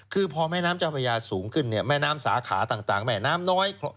คือพอแม่น้ำเจ้าพระยาสูงขึ้นเนี่ยแม่น้ำสาขาต่างแม่น้ำน้อย